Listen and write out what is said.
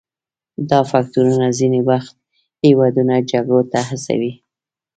دا فکتورونه ځینې وخت هیوادونه جګړو ته هڅوي